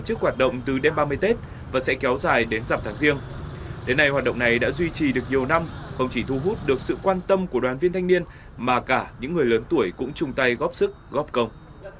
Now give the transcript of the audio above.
tổ chức hoạt động từ đêm ba mươi tết và sẽ kéo dài đến dặm tháng riêng đến nay hoạt động này đã duy trì được nhiều năm không chỉ thu hút được sự quan tâm của đoàn viên thanh niên mà cả những người lớn tuổi cũng chung tay góp sức góp công